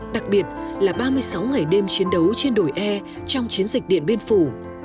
đặc biệt là ba mươi sáu ngày đêm chiến đấu trên đồi e trong chiến dịch điện biên phủ